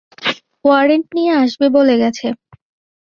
Warrant নিয়ে আসবে বলে গেছে।